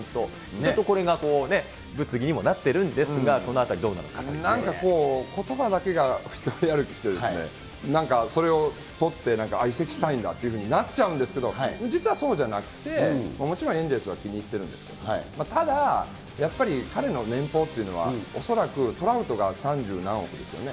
ちょっとこれが物議にもなってるんですが、このあたりどうなのかなんかこう、ことばだけが独り歩きして、なんか、それを取って移籍したいんだってなっちゃうんですけど、実はそうじゃなくて、もちろんエンゼルスは気に入ってるんですけど、ただ、やっぱり彼の年俸というのは恐らくトラウトが三十何億ですよね。